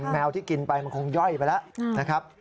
แมวที่กินไปมันคงย่อยไปแล้วนะครับ